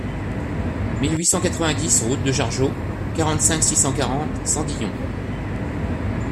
mille huit cent quatre-vingt-dix route de Jargeau, quarante-cinq, six cent quarante, Sandillon